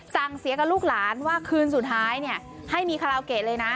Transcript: สั่งเสียกับลูกหลานว่าคืนสุดท้ายเนี่ยให้มีคาราโอเกะเลยนะ